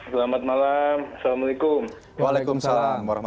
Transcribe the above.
selamat malam assalamualaikum